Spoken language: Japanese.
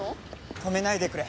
止めないでくれ。